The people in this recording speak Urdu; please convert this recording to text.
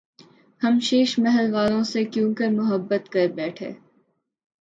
ہم شیش محل والوں سے کیونکر محبت کر بیتھے